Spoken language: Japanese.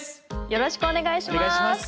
よろしくお願いします。